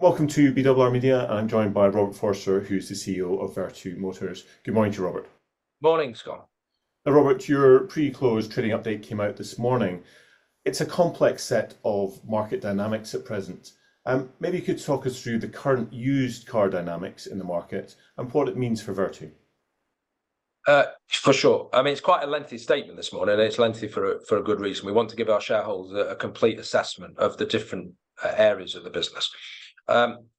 Welcome to BRR Media. I'm joined by Robert Forrester, who's the CEO of Vertu Motors. Good morning to you, Robert. Morning, Scott. Now, Robert, your pre-close trading update came out this morning. It's a complex set of market dynamics at present. Maybe you could talk us through the current used car dynamics in the market and what it means for Vertu. For sure. I mean, it's quite a lengthy statement this morning, and it's lengthy for a good reason. We want to give our shareholders a complete assessment of the different areas of the business.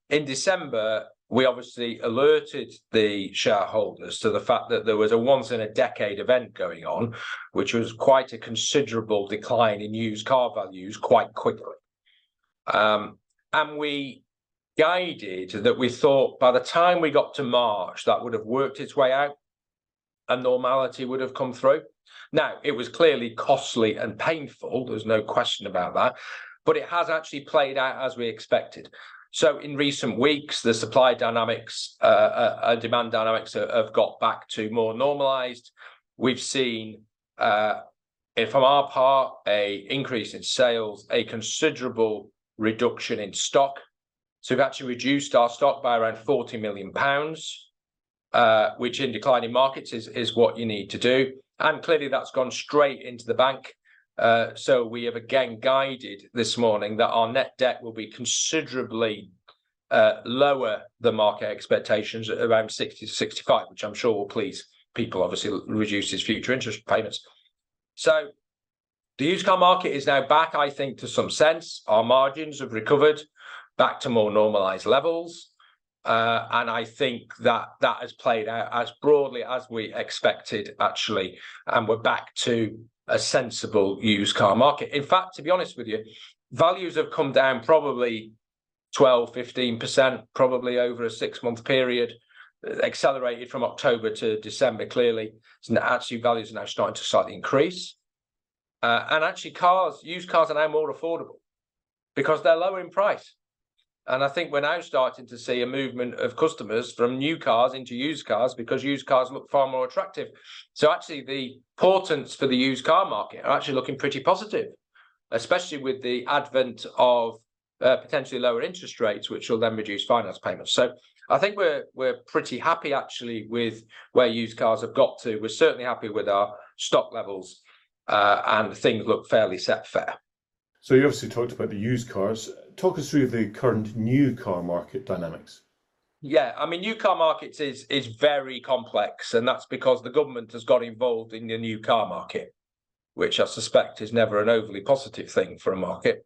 In December, we obviously alerted the shareholders to the fact that there was a once-in-a-decade event going on, which was quite a considerable decline in used car values quite quickly. And we guided that we thought by the time we got to March, that would have worked its way out, and normality would have come through. Now, it was clearly costly and painful, there's no question about that, but it has actually played out as we expected. So in recent weeks, the supply dynamics and demand dynamics have got back to more normalized. We've seen from our part an increase in sales, a considerable reduction in stock. So we've actually reduced our stock by around 40 million pounds, which in declining markets is what you need to do, and clearly, that's gone straight into the bank. So we have again guided this morning that our net debt will be considerably lower than market expectations, at around 60 million-65 million, which I'm sure will please people. Obviously, it reduces future interest payments. So the used car market is now back, I think, to some sense. Our margins have recovered back to more normalized levels. And I think that that has played out as broadly as we expected, actually, and we're back to a sensible used car market. In fact, to be honest with you, values have come down probably 12%, 15%, probably over a six-month period. Accelerated from October to December, clearly, and actually values are now starting to slightly increase. And actually cars, used cars are now more affordable because they're lower in price, and I think we're now starting to see a movement of customers from new cars into used cars because used cars look far more attractive. So actually, the portents for the used car market are actually looking pretty positive, especially with the advent of, potentially lower interest rates, which will then reduce finance payments. So I think we're, we're pretty happy actually with where used cars have got to. We're certainly happy with our stock levels, and things look fairly set fair. So you obviously talked about the used cars. Talk us through the current new car market dynamics. Yeah, I mean, new car markets is very complex, and that's because the government has got involved in the new car market, which I suspect is never an overly positive thing for a market.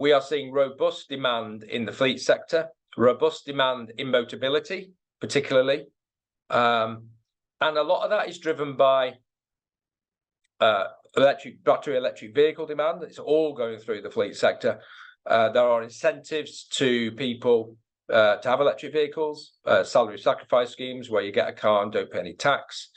We are seeing robust demand in the fleet sector, robust demand in Motability, particularly, and a lot of that is driven by battery electric vehicle demand. It's all going through the fleet sector. There are incentives to people to have electric vehicles, salary sacrifice schemes, where you get a car and don't pay any tax.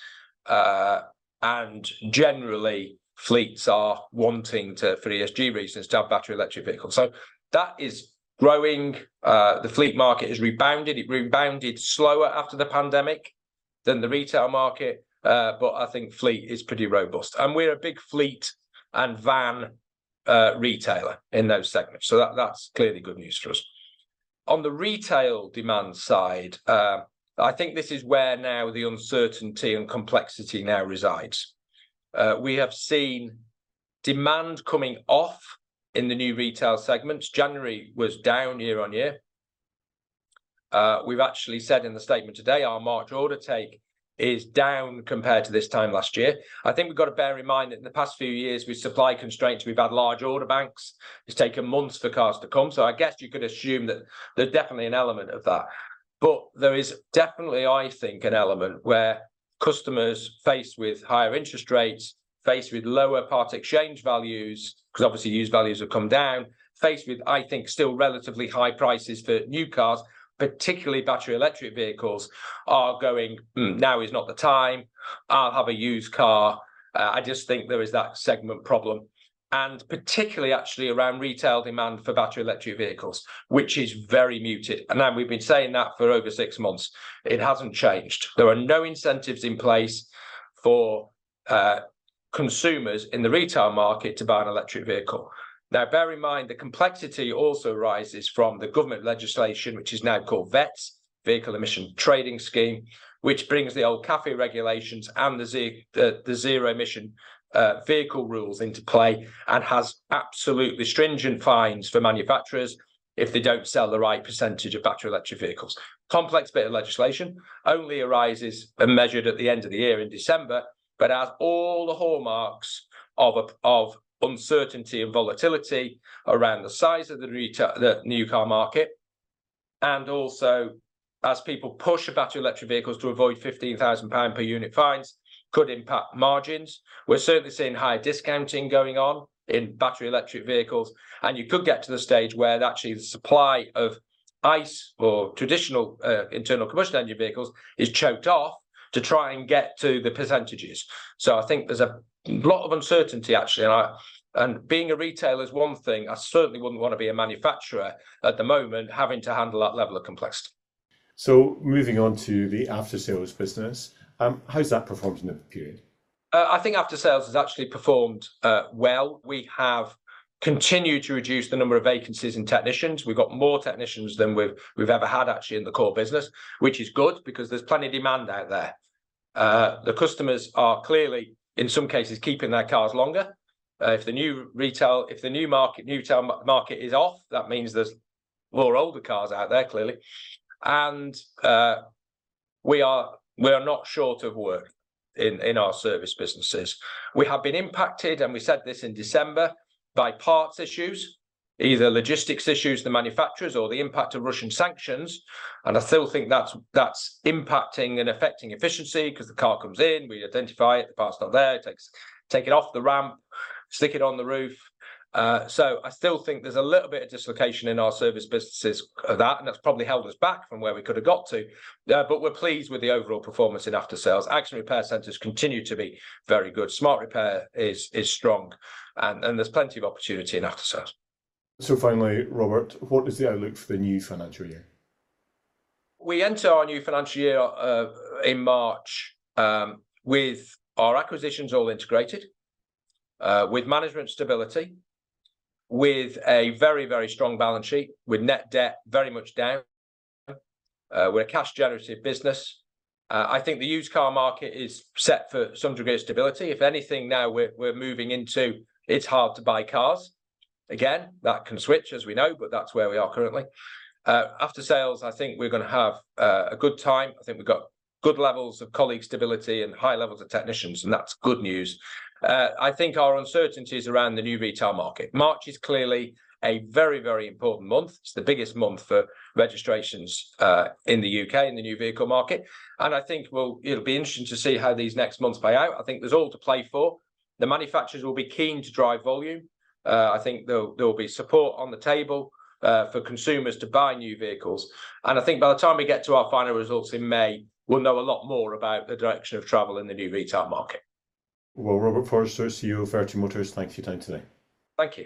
And generally, fleets are wanting to, for ESG reasons, to have battery electric vehicles. So that is growing. The fleet market has rebounded. It rebounded slower after the pandemic than the retail market, but I think fleet is pretty robust, and we're a big fleet and van retailer in those segments, so that's clearly good news for us. On the retail demand side, I think this is where now the uncertainty and complexity now resides. We have seen demand coming off in the new retail segments. January was down year-over-year. We've actually said in the statement today, our March order take is down compared to this time last year. I think we've got to bear in mind that in the past few years, with supply constraints, we've had large order banks. It's taken months for cars to come, so I guess you could assume that there's definitely an element of that. There is definitely, I think, an element where customers faced with higher interest rates, faced with lower part exchange values, 'cause obviously used values have come down, faced with, I think, still relatively high prices for new cars, particularly battery electric vehicles, are going, "Mm, now is not the time. I'll have a used car." I just think there is that segment problem, and particularly actually around retail demand for battery electric vehicles, which is very muted. And now we've been saying that for over six months. It hasn't changed. There are no incentives in place for consumers in the retail market to buy an electric vehicle. Now, bear in mind, the complexity also rises from the government legislation, which is now called VETS, Vehicle Emission Trading Scheme, which brings the old CAFE regulations and the zero emission vehicle rules into play and has absolutely stringent fines for manufacturers if they don't sell the right percentage of battery electric vehicles. Complex bit of legislation, only arises and measured at the end of the year in December, but has all the hallmarks of of uncertainty and volatility around the size of the new car market, and also, as people push battery electric vehicles to avoid 15,000 pound per unit fines, could impact margins. We're certainly seeing higher discounting going on in battery electric vehicles, and you could get to the stage where actually the supply of ICE or traditional internal combustion engine vehicles is choked off to try and get to the percentages. So I think there's a lot of uncertainty, actually, and I being a retailer is one thing. I certainly wouldn't want to be a manufacturer at the moment, having to handle that level of complexity. So moving on to the aftersales business, how's that performed in the period? I think aftersales has actually performed well. We have continued to reduce the number of vacancies in technicians. We've got more technicians than we've ever had actually in the core business, which is good because there's plenty of demand out there. The customers are clearly, in some cases, keeping their cars longer. If the new market is off, that means there's more older cars out there, clearly. We are not short of work in our service businesses. We have been impacted, and we said this in December, by parts issues, either logistics issues, the manufacturers, or the impact of Russian sanctions, and I still think that's impacting and affecting efficiency, because the car comes in, we identify it, the part's not there. Take it off the ramp, stick it on the roof. So I still think there's a little bit of dislocation in our service businesses of that, and that's probably held us back from where we could have got to. But we're pleased with the overall performance in aftersales. Accident Repair Centers continue to be very good. Smart Repair is strong, and there's plenty of opportunity in aftersales. Finally, Robert, what is the outlook for the new financial year? We enter our new financial year in March with our acquisitions all integrated with management stability with a very, very strong balance sheet with net debt very much down. We're a cash generative business. I think the used car market is set for some degree of stability. If anything, now we're moving into it's hard to buy cars. Again, that can switch, as we know, but that's where we are currently. Aftersales, I think we're gonna have a good time. I think we've got good levels of colleague stability and high levels of technicians, and that's good news. I think our uncertainty is around the new retail market. March is clearly a very, very important month. It's the biggest month for registrations in the U.K. in the new vehicle market, and I think we'll. It'll be interesting to see how these next months play out. I think there's all to play for. The manufacturers will be keen to drive volume. I think there'll be support on the table for consumers to buy new vehicles, and I think by the time we get to our final results in May, we'll know a lot more about the direction of travel in the new retail market. Well, Robert Forrester, CEO of Vertu Motors, thank you for your time today. Thank you.